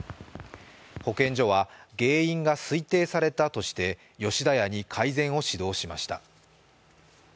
保健所は、原因が推定されたとして吉田屋に改善を指導しました。